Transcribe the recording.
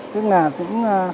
tức là cũng